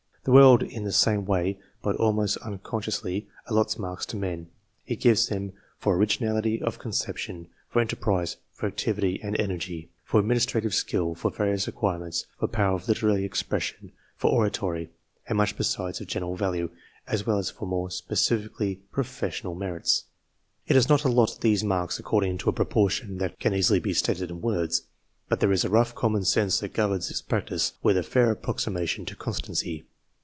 The world, in the same way, but almost unconsciously, allots marks to men. It gives them for originality of conception, for enterprise, for activity and energy, for administrative skill, for various acquirements, for power of literary ex pression, for oratory, and much besides of general value, as well as for more specially professional merits. It does not allot these marks according to a proportion that can easily be stated in words, but there is a rough common sense that governs its practice with a fair approximation to constancy.